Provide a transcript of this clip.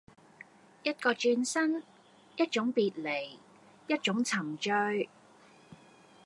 一個轉身，一種別離，一種沉醉